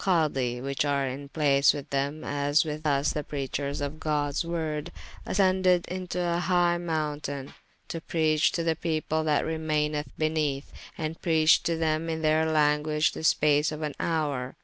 351] daye folowing,[FN#42] their Cadi (which are in place with them as with vs the preachers of Gods worde) ascended into a hygh mountayne, to preach to the people that remaineth beneath; and preached to them in theyr language the space of an houre.